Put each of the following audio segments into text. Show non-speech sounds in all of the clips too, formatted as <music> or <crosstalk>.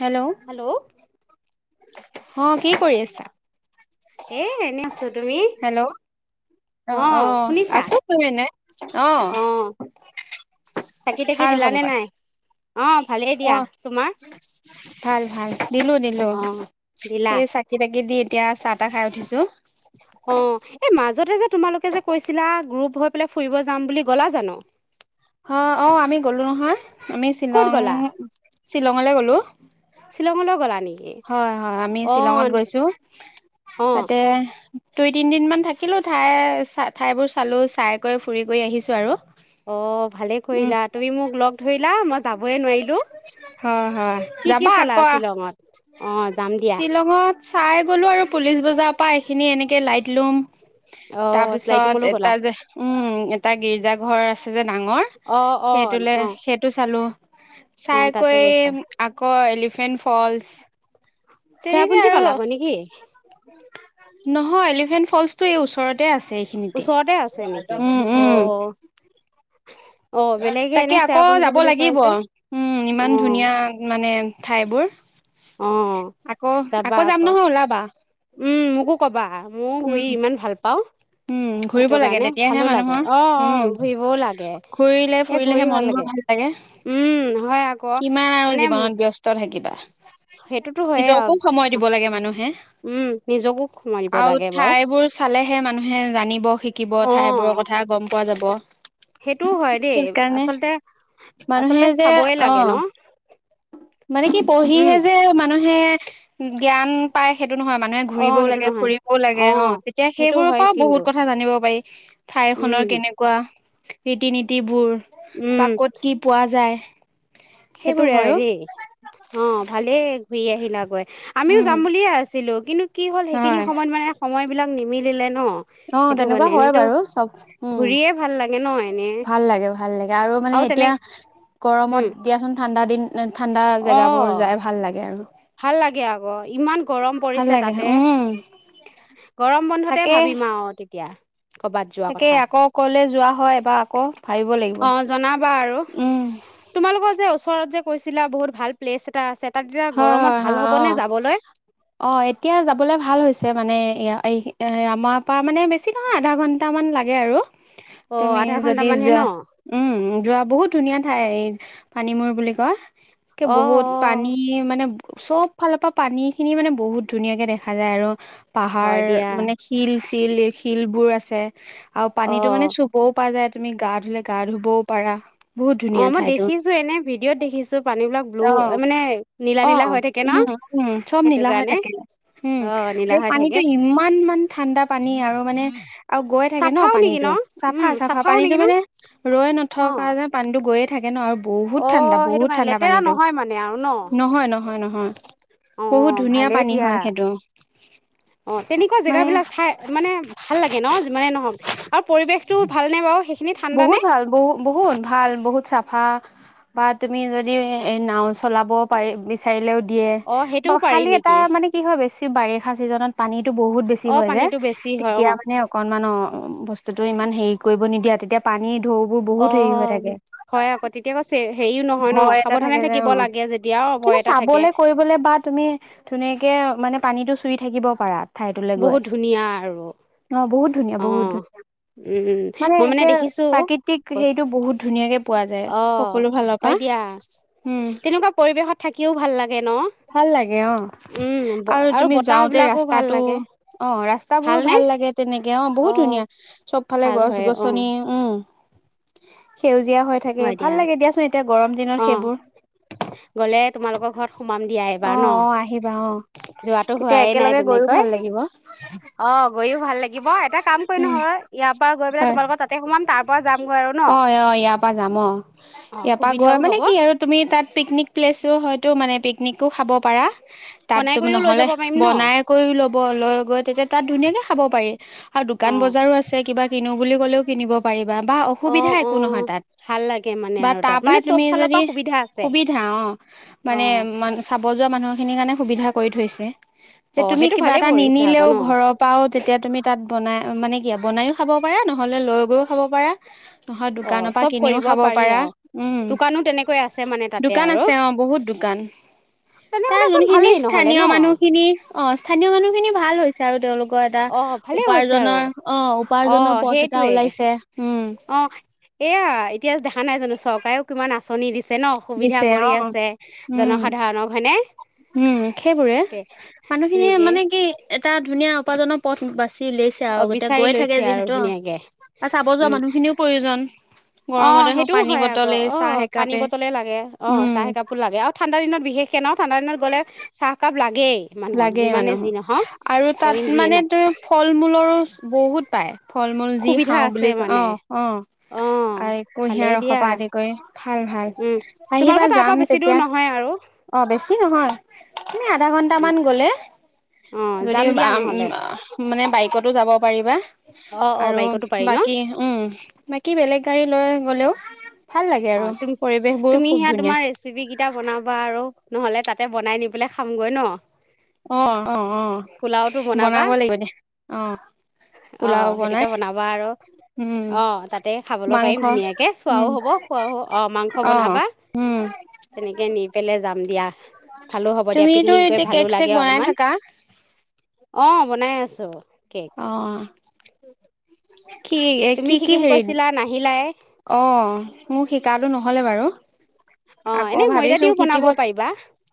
Hello, অ', -কি কৰি আছা? এ এনে আছো তুমি হেল্ল', অ- অ- আছো শুই এনে, অ- চাকি- তাকি ভাল দিলা নে, খবৰ নাই? অ ভালেই দিয়া অ', তোমাৰ -ভাল-ভাল। দিলো- দিলো। অ দিলা এই চাকি-তাকি দি- এতিয়া চাহ-তাহ খাই উঠিছো। অ', এই, মাজতে যে, তোমালোকে যে, 'কৈছিলা, গ্ৰুপ- হৈ পেলাই ফুৰিব যাম বুলি, গ'লা জানো? হা', -অ- আমি গ'লো। হয়, আমি ক'ত শ্বিলং গ'লা -শ্বিলংলৈ গলো। হেল্ল', শ্বিলঙলৈ গলানি? হয়- হয় আমি শ্বিলঙত গৈছো। অ তাতে দুই তিনিদিন মান থাকিলো ঠাই ঠাইবোৰ চালো চাই গৈ ফুৰি গৈ আহিছো আৰু। অ ভালে উম কৰিলা তুমি মোক লগ ধৰিলা মই যাবই নোৱাৰিলো হয় হয় কি-কি যাবা চালা আকৌ শ্বিলঙত। অ যাম দিয়া শ্বিলঙত চাই গ'লো আৰু পুলিচ বজাৰত পাই এই খিনি এনেকে লাইট লোম অ তাৰপিছত শ্লাইটিমলৈ গ'লা এটা যে উম এটা গীৰ্জা ঘৰ আছে তই যে ডাঙৰ অ অ সেইটোলে অ সেইটো চালো অ তাতো চাইকৈ গৈছা আকৌ এলিফেন্ট ফলচ তেনেকে চেৰাপুঞ্জীত আৰু পালা গৈ নেকি নহয় এলিফেন্ট ফলচ টো এই ওচৰত গোটে আছে এইখিনিতে ওচৰতে আছে নেকি? উম অ উম অ বেলেগে তাকে এনে আকৌ চেৰাপুঞ্জী যাব বুলি কয় লাগিব যে উম অ ইমান ধুনীয়া মানে ঠাইবোৰ অ আকৌ যাবা যাম আকৌ নহয় ওলাবা উম মোকো কবা মই উম ঘূৰি ইমান ভাল পাওঁ উম ঘুৰিব সেইটো লাগে কাৰণে তেতিয়াহে ভালো লাগে মানুহৰ অ অ উম ঘূৰিবও লাগে ঘুৰিলে ফুৰিলেহে মন বোৰ ভাল লাগে উম হয় আকৌ কিমান আৰু মানে জীৱনত ব্যস্ত থাকিবা সেইটোতো হয়ে আৰু নিজকো সময় দিব লাগে মানুহে উম নিজকো সো মাৰিব আৰু লাগে বাৰু ঠাইবোৰ চালেহে মানুহে জানিব শিকিব অ ঠাইবোৰৰ কথা গম পোৱা যাব সেইটোও হয় দেই সেইকাৰণে আচলতে মানুহে আচলতে যে চাবই অ লাগে ন মানে কি উম পঢ়িহে যে মানুহে জ্ঞান পাই সেইটো এইটো নহয় মানুহে অ ঘুৰিবও সেইটো লাগে নহয় ফুৰিবও লাগে অ তেতিয়া সেইটো হয় সেইবোৰো কিন্তু বহুত কথা জানিব পাৰি ঠাই উম খনৰ কেনেকুৱা ৰীতি নীতিবোৰ উম পাকত কি পোৱা যায় সেইটো সেইবোৰে হয় আৰু দেই অ ভালেই ঘূৰি আহিল লাগুৱাই আমিও উম যাম বুলিয়ে আছিলো কিন্তু কি হ'ল সেইখিনি হয় সময়ত মানে সময় ইবিলাক নিমিলিলে ন অ সেইটো তেনেকুৱা কাৰণে হয় এনেতো বাৰু চব ঘূৰিয়ে ভাল লাগে ন উম এনে ভাল লাগে ভাল লাগে আৰু মানে এতিয়া উম গৰমত দিয়াচোন ঠাণ্ড দিন ঠাণ্ডা অ জেগাবোৰ যাই ভাল লাগে আৰু ভাল লাগে আকৌ ইমান গৰম ভাল পৰিছে লাগে তাতে উম গৰম বন্ধতে ভাবিম আৰু এতিয়া তাকেই আকৌ কলে যোৱা হয় বা আকৌ ভাবিব লাগিব অ জনাবা আৰু উম আছিলা বহুত ভাল প্লেছ এটা আছে তাক হয় হয় হয় অ অ এতিয়া যাবলে ভাল হৈছে মানে এ এই আমাৰ পৰা মানে বেছি নহয় আধা ঘণ্টামান লাগে আৰু অ তুমি আধা যদি ঘন্টামানহে ন যোৱা উম যোৱা বহুত ধুনীয়া ঠাই এই পানী মূৰ বুলি কোৱা অ অ তুমি মানে চব ফালৰপৰা তাৰপৰা পানী খিনি মানে বহুত ধুনীয়াকে দেখা যায় আৰু পাহাৰ হয় দিয়া মানে হিলচ শিল শিলবোৰ আছে আৰু পানীতো অ মানে চুবও পাৰা যায় তুমি গা ধুলে গা ধুবও পাৰা বহুত অ ধুনীয়া মই ঠাইতো দেখিছো এনে ভিডিঅ'ত দেখিছো পানী বিলাক ব্লু অ মানে নীলা অ নীলা হৈ থাকে ন উম উম চব সেইটো নীলা হৈ কাৰণে থাকে উম অ আৰু নীলা হৈ থাকে পানীটো ইমান মান ঠাণ্ডা পানী আৰু মানে আৰু গৈ থাকে ন চাফাও নেকি পানীটো চাফা উম চাফা চাফাও পানীটো নেকি ন মানে ৰৈ অ নথকা যে পানীটো গৈয়ে থাকে গে ন আৰু বহুত অ ঠাণ্ডা সেইটো বহুত কাৰণে ঠাণ্ডা লেতেৰা পানীতো নহয় মানে আৰু ন নহয় নহয় নয় নহয়, অ বহুত ধুনীয়া ভালেই পানী দিয়া হয় সেইটোৰ উ অ তেনেকুৱা জেগাবিলাক ঠাই মানে ভাল লাগে ন মানে নহওক আৰু পৰিৱেশতটো ভালনে বাৰু সেইখিনি ঠাণ্ডা নে বহুত ভাল বহুত বহুত ভাল বহুত চাফা বা বা তুমি যদি নাও চলাব পাৰি বিচাৰিলেও দিয়ে অ বা সেইটোও পাৰি খালি এটা নেকি মানে কি হয় বেছি বাৰিষা চিজনত পানীতো বহুত বেছি অ হয় যে, পানীটো বেছি হয় তেতিয়া অ মানে অকনমান, অ', বস্তুটো ইমান হেৰি কৰিব নিদিয়াত তেতিয়া পানীত, ঢৌ বোৰ অ বহুত হেৰি হৈ থাকে, হয় আকৌ তেতিয়া আকৌ হেৰিও নহয় ন ভয় এটা সাৱধানে থাকে যে থাকিব অ' লাগে যেতিয়া অ ভয় কিন্তু এটা থাকে চাবলে কৰিবলে বা তুমি ধুনীয়াকে, মানে পানীতো চুই থাকিব পাৰাত, বহুত ধুনীয়া আৰু অ বহুত ধুনীয়া বহুত ধুনীয়া অহ' উম' মই মানে একে দেখি দেখিছো, প্ৰাকৃতিক অ' হেৰিটো বহুত ধুনীয়াকে পোৱা যায় সকলো ফালৰ পৰা হয় দিয়া। উম তেনেকুৱা পৰিৱেশত থাকিও ভাল লাগে ন? ভাল লাগে অহ উম, আৰু তুমি বতাহ যাওঁতে বিলাকো ভাল লাগে ৰাস্তাটো- অ' ৰাস্তাবোৰো ভালনে? ভাল লাগে। তেনেকে, বহুত অ', ধুনীয়া চব ফালে, ভাল হয় অ', গছ-গছনি উম। সেউজ জীয়া হৈ থাকে হয় ভাল দিয়া লাগে দিয়াচোন, এতিয়া গৰম দিনত অ', সেইবোৰ। গ'লে তোমালোকৰ ঘৰত সোমাম দিয়া অ এইবাৰ ন অ আহিবা অ যোৱাতটো তেতিয়া হোৱাই নাই একেলগে গৈও তেনেকৈ ভাল লাগিব অ গৈও ভাল লাগিব এটা কাম কৰি উম নহয় ইয়াৰ পৰা গৈ পেলাই হয় তোমালোকৰ তাতে সোমাম তাৰ পৰা যামগৈ আৰু ন? অ অ ইয়াৰ যাম অ' অ', ইয়াৰ পৰা গৈ সুবিধাও মানে হ'ব কি আৰু তুমি তাত পিকনিক প্লেচো হয়তো, মানে পিকনিকো খাব পাৰা। তাত বনাই কৰিও লৈ নহলে যাব পাৰিম ন? বনাই কৰিও ল'ব লৈ গৈ তেতিয়া তাত ধুনীয়াকে খাব পাৰি আৰু দোকান অ'। বজাৰো আছে কিবা কিনো বুলি ক'লেও কিনিব পাৰি। বা অসুবিধা অ', একো নহয় অ', তাত ভাল লাগে মানে বা আৰু তা তাত মানে পাই চব তুমি ফালৰ যদি পৰা সুবিধা আছে সুবিধা অ মানে অ', ম- বজোৱা মানুহখিনিৰ কাৰণে সুবিধা কৰি থৈছে। যে অ', তুমি সেইটো কিবা ভালে এটা কৰিছে আকৌ নিনিলেও ন ঘৰৰ পৰাও, তেতিয়া তুমি তাত বনাই মানে বনাইও খাব পাৰা নহ'লে লৈ লৈ গৈও খাব পাৰা। হয়, অ', দোকানৰ পৰা চব কিনিও কৰিব খাব পাৰি পাৰা। আৰু উম' দোকানো তেনেকৈ আছে মানে তাতে দোকান আৰু আছে অ' বহুত দোকান। তাৰ তেনেহ'লেচোন যোনখিনি ভালেই নহ'লে স্থানীয় ন মানুহ খিনি অ' স্থানীয় মানুহখিনিৰ ভাল হৈছে। আৰু তেওঁলোক কিবা এটা অ', ভালেই হৈছে আৰু উপাৰ্জনৰ অ' উপাৰ্জনৰ অ', সেই পথ এটা টোৱে ওলাইছে উম। অ', এয়া এতিয়া দেখা নাই জানো চৰকাৰেও কিমান আঁচনি দিছে। ন সুবিধা দিছে কৰি অ' আছে জনসাধাৰণক হয়নে উম-উম, সেইবোৰে মানুহখিনিয়ে সেনেকে মানে কি এটা ধুনীয়া- উপাৰ্জনৰ পথ বাচি উলিয়াইছে আৰু অ', গতিয়া বিচাৰি গৈ থাকে লৈছে আৰু যিহত ধুনীয়াকে আৰু চাব যোৱা উম মানুহ খিনিও প্ৰয়োজন। অ গৰমতে হওক সেইটোও পানী হয় আকৌ বটলে অ চাহ পানী একাপে বটল হে অ উম চাহ কাপোৰ লাগে আৰু ঠাণ্ডা দিনত বিশেষকে ন ঠাণ্ডা দিনত গ'লে চাহ কাপ লাগ লাগেই মানুহৰ আৰু তাত অইন যিয়ে মানে নাপ তুমি ফল মূলৰো বহুত পায় ফল মূল যি সুবিধা খাওঁ আছে বুলি অ মানে অ অ আৰু কুঁহিয়াৰ ভালেই দিয়া ৰসপা আদি কৰি ভাল ভাল উম আহিবা তোমালোকৰ তাৰ যাম পৰা বেছি দূৰ তেতিয়া নহয় আৰু অ বেছি নহয়। নে য উম মান গলে অ যদি যাম দিয়া নহ'লে মানে বাইক ক'তো যাব পাৰিবা অ অ আৰু বাইকতো পাৰি ন বাকী উম বাকী বেলেগ গাড়ী লৈ গ'লেও ভাল লাগে অ আৰু তুম পৰিৱেশ বোৰ তুমি খুব সেয়া ধুনীয়া তোমাৰ ৰেচিপি কেইটা বনাবা আৰু নহলে তাতে বনাই নি পেলাই খামগৈ ন অ অ অ পোলাওটো বনাবা বনাব লাগিব দিয়া অ অ পোলাও বনাই সেইটোকে বনাবা আৰু অ হেতুকে উম বনাবা আৰু অ তাতে খাবলৈ পাৰিম মাংস ধুনীয়াকে চুৱও উম হব খোৱাও অ মাংস অ বনাবা উম তেনেকে নি পেলাই যাম দিয়া ভালো হব দিয়া তুমিতো পিকনিক গৈ এতিয়া ভালো কেক লাগে চেক বনাই অলপমান থাকা অ বনাই আছো কেক অ কি তুমি কি কি শিকিম হেৰিত কৈছিলা নাহিলাই অ মোক শিকাটো নহলে বাৰু অ আকৌ এনেই ময়দা ভাবিছো দিও বনাব শিকিব পাৰিবা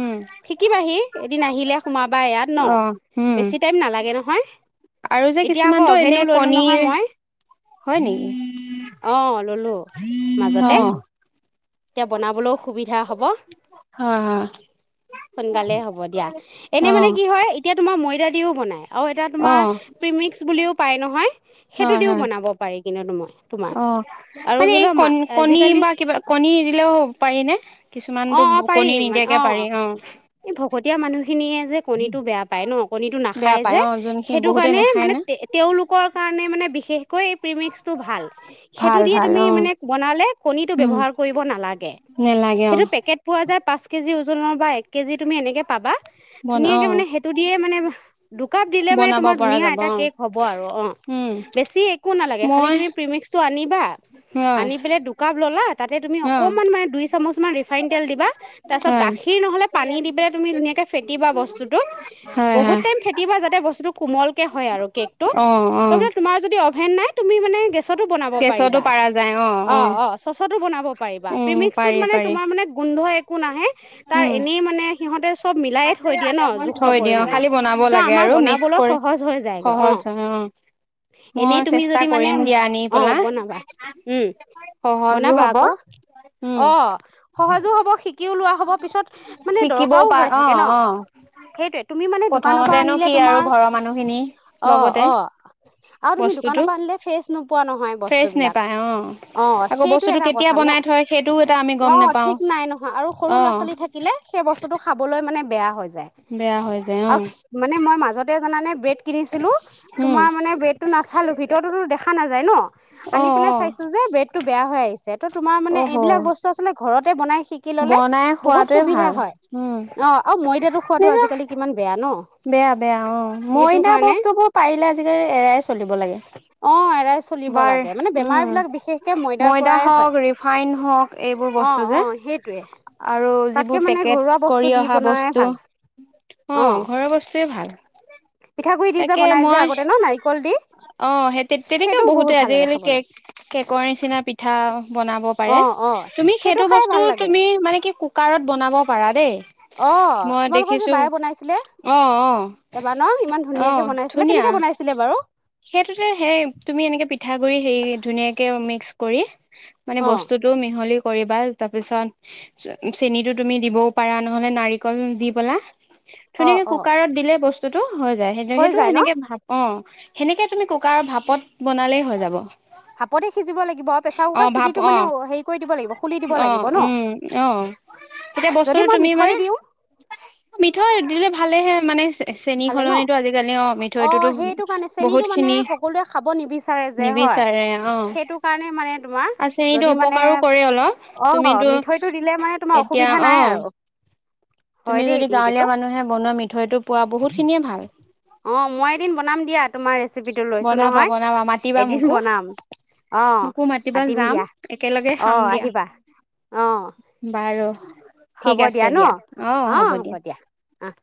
উম শিকিবাহি এদিন আহিলে সোমাবা ইয়াত ন অ উম বেছি টাইম নালাগে নহয় আৰু যে এতিয়া আকৌ কিছুমানতটো এনে অভেনো ললো কণী নহয় মই হয় নেকি অ', ললো উম অ মাজতে এতিয়া বনাবলৈও সুবিধা হব হয় হয় সোনকালে হব দিয়া এনে অ মানে কি হয় এতিয়া তোমাৰ মৰিদাৰ দিও বনায় আৰু এতিয়া অ তোমাৰ প্ৰিমিক্স বুলিও পায় নহয় সেইটো হয় দিও হয় বনাব পাৰি কিন্তু তো মই অ মানে এই কণ কণী আজিকালি বা কিবা কণী নি দিলেও হ'ব পাৰি নে অ কিছুমানতো ব অ কণ পাৰি মানে নিদিয়াকে পাৰি অ এই এন কণীটো বেয়া নাখায় পায় যে অ যোনখিনি সেইটো বহুতে কাৰণে নাখায় মানে না তেওঁলোকৰ কাৰণে মানে বিশেষকৈ এই প্ৰিমিক্সটো ভাল সেইটো ভাল দিয়ে ভাল তুমি অ মানে বনালে কণীটো উম ব্যৱহাৰ এইবোৰ নালাগে নেলাগে অ সেইটো পেকেট পোৱা পাঁচ কেজি ওজনৰ বা এক কেজি তুমি এনেকে পাবা বন অ ধুনীয়াকে মানে সেইটো দিয়ে মানে দুকাপ দিলে মানে বনাব তোমাৰ পৰা ধুনীয়া যাব এটা অ কেক হ'ব আৰু অ উম বেছি একো নালাগে খালি মই তুমি প্ৰিমিক্সটো আনিবা হয় আনি পেলাই দুকাপ ললা তাতে তুমি অ অকণমান মানে দুই চামুচমান ৰিফাইন তেল দিবা তাৰপিছত হয় গাখীৰ নহ'লে পানী দি পেলাই তুমি ধুনীয়াকৈ ফেটিবা বস্তুটো হয় বহুত হয় টাইম ফেটিবা যাতে বস্তু কোমলকে হয় আৰু কেকটো অ অ তোমাৰ যদি অ'ভেন নাই তুমি মানে গেছতো বনাব গেছতো পাৰিবা পাৰা যায় অ অ বনাব পাৰিবা উম প্ৰিমিক্সটোত পাৰি মানে পাৰি তোমাৰ মানে গোন্ধ একো নাহে তাৰ উম এনেই মানে সিহঁতে চব মিলাইয়ে থৈ দিয়ে ন জোখৰ থৈ দিওঁ পৰিমণৰ খালি বনাব ত লাগে আমাৰ আৰু মিক্স বনাবলৈ কৰি সহজ হৈ যায়গৈ অ সহজ হয় মই এনেই তুমি চেষ্টা যদি মানে কৰিম দিয়া আনি অ পেলা বনাবা উম বনাবা <unintelligible> অ উম সহজো হব শিকিও লোৱা হব পিছত মানে শিকিবও দৰকাৰও পাৰ হৈ অ থাকে ন অ সেইটয়ে তুমি মানে দোকানৰ পৰা প্ৰথমতেনো আনিলে কি আৰু তোমাৰ ঘৰৰ মানুহখিনি অ লগতে অ আৰু তুমি দোকানৰ বস্তুটো পৰা আনিলে ফ্ৰেচ নোপোৱা নহয় বস্তু ফ্ৰেছ বিলাক নোপায় অ অ আকৌ সেই বস্তুটো কেতিয়া মানে বনাই থয় সেইটোও এটা আমি অ গম ঠিক নোপাও নাই নহয় আৰু সৰু অ ল'ৰা ছোৱালী থাকিলে সেই বস্তুটো খাবলৈ মানে বেয়া হয় বেয়া হৈ যায় অ মানে মই মাজতে জানানে ব্ৰেড কিনিছিলো উম তোমাৰ মানে ব্ৰেড টো নাচালো ভিতৰতোতো দেখা নাযায় ন অ আনি পেলাই চাইছো যে ব্ৰেড টো বেয়া হৈ আহিছে সেইটো তোমাৰ অ মানে অহ এইবিলাক বস্তু আচলে ঘৰতে বনাই শিকি ল'লে বনাই বহুত খোৱাটোৱে সুবিধা ভাল হয় উম অ', আৰু ময়দাটো খোৱাটো আজিকালি কিমান বেয়া ন বেয়া বেয়া অ সেইটো মইনা কাৰণে বস্তুবোৰ পাৰিলে আজিকালি এৰাই চলিব লাগে অ', এৰাই চলিব বাৰ লাগে মানে বেমাৰ উম বিলাক বিশেষকে ময়দাৰ মই <unintelligible> পৰাই হয় হক ৰিফাইন হক এইবোৰ অ', বস্তু যে অ', সেইটোৱে আৰু তাতকে যিবোৰ মানে পেকেট ঘৰুৱা বস্তু কৰি দি অহা বনাই বস্তু ভাল অ অ', ঘৰৰ বস্তুয়ে ভাল পিঠাগুৰি দি যে তাকে বনাই যে মই আগতে ন নাৰিকল দি অ সেই তেনেকেও সেইটোও বহুতে বহুত ভাল লাগে আজিকালি খাবলৈ কেক কেকৰ নিচিনা পিঠা বনাব পাৰে অ অ তুমি সেইটো খাই বস্তু ভাল টো লাগে তুমি মানে কি কুকাৰত বনাব পাৰা দেই অ মই তোমালোকৰ যে দেখিছো বায়ে বনাইছিলে অ অ এবাৰ ন ইমান অ ধুনীয়াকে বনাইছিলে ধুনীয়া কেনেকে বনাইছিলে বাৰু সেইটোতে সেই তুমি এনেকে পিঠা <unintelligible> হেৰি ধুনীয়াকে মিক্স কৰি মানে অ বস্তুটো মিহলি কৰিবা তাৰপিছত চেনিটো তুমি দিবও পাৰা নহলে নাৰিকল দি পেলে অ ধুনীয়াকে অ কুকাৰত দিলে বস্তুটো হৈ যায় সেইটো হৈ সেইটো যায় ন সেনেকে ভ অ সেনেকে তুমি কুকাৰৰ ভাপত বনালেই হৈ যাব। ভাপতে সিজিব লাগিব আৰু প্ৰেচাৰ অ কুকাৰ ভাপ চিটিটো অ মানে হেৰী কৰি দিব লাগিব খুলি দিব অ লাগিব ন উম অ এতিয়া যদি বস্তুটো মই তুমি মিঠৈ মানে দিওঁ মিঠৈ দিলে ভালেহে। মানে চেনি ভালে ন। সলনিটো আজিকালি অ মিঠৈটোতো সেইটো কাৰণে বহুত চেনীটো মানে খিনি সকলোৱে খাব নিবিচাৰে যে হয় নিবিচাৰে অ সেইটো কাৰণে মানে তোমাৰ আৰু চেনিটো যদি মানে অপকাৰো কৰে অলপ অ' তুমিতো মিঠৈটো দিলে মানে তোমাৰ এতিয়া অসুবিধা অ নাই আৰু। হয় তুমি দেই যদি কিন্তু গাঁৱলীয়া মানুহে বনোৱা মিঠৈটো পোৱা বহুত খিনিয়ে ভাল অ মই এদিন বনাম দিয়া তোমাৰ ৰেচিপিটো লৈছো বনাবা নহয়। বনাবা মাতিবা এদিন মোকো বনাম অ মোকো মাতিবা মাতিম যাম দিয়া একেলগে খাম দিয়া আহিবা অ। বাৰু হ'ব দিয়া ন। অঁ হ'ব দিয়া অঁহ।